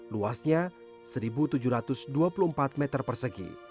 luasnya satu tujuh ratus dua puluh empat meter persegi